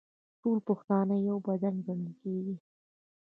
ټول پښتانه یو بدن ګڼل کیږي.